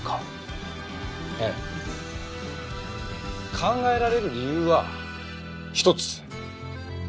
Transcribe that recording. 考えられる理由は一つ。